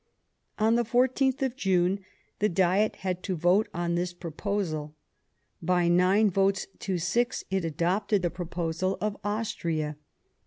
Bismarck On the 14th of June the Diet had to vote on this proposal ; by nine votes to six it adopted the pro posal of Austria.